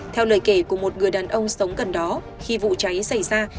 theo lời kể của một người đàn ông sống gần đó khi vụ cháy xảy ra